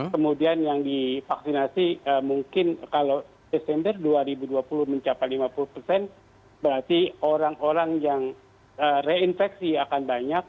kemudian yang divaksinasi mungkin kalau desember dua ribu dua puluh mencapai lima puluh persen berarti orang orang yang reinfeksi akan banyak